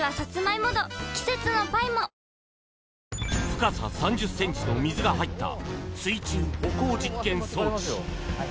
深さ３０ｃｍの水が入った水中歩行実験装置。